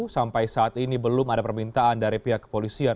sampai saat ini belum ada permintaan dari pihak kepolisian